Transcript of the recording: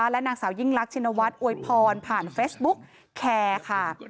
และนางสาวยิ่งรักชินวัฒน์อวยพรผ่านเฟซบุ๊กแคร์ค่ะ